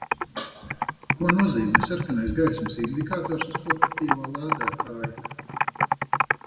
Ko nozīmē sarkanais gaismas indikators uz portatīvā lādētāja?